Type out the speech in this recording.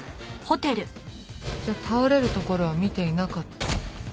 じゃあ倒れるところは見ていなかった？